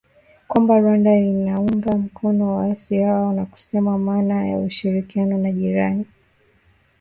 kwamba Rwanda inaunga mkono waasi hao na kusema maana ya ushirikiano na jirani